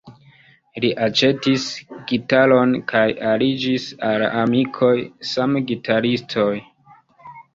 Li aĉetis gitaron kaj aliĝis al amikoj, same gitaristoj.